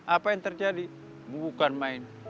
apa yang terjadi bukan main